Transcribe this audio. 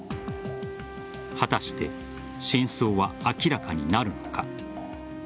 果たして真相は明らかになるのか。